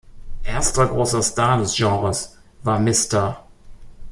Erster großer Star des Genres war Mr.